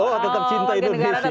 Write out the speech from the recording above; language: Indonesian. warga negara tetap indonesia ya